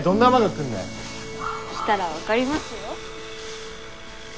来たら分かりますよ。